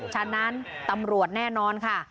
ฉะนั้นตำรวจแน่นอนค่ะ